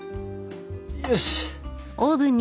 よし。